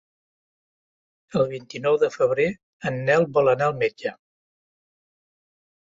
El vint-i-nou de febrer en Nel vol anar al metge.